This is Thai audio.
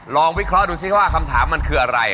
วิเคราะห์ดูซิว่าคำถามมันคืออะไร